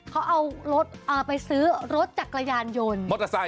เขาเอารถไปซื้อรถจักรยานยนต์